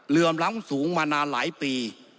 เรื่องล้ำสูงมานานหลายปี